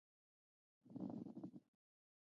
بادي انرژي د افغانستان د اقتصادي منابعو ارزښت زیاتوي.